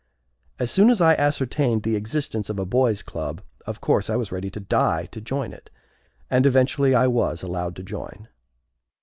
As soon as I ascertained the existence of a boys' club, of course I was ready to die to join it. And eventually I was allowed to join.